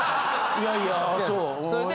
いやいやあそう。